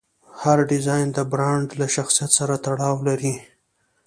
هر ډیزاین د برانډ له شخصیت سره تړاو لري.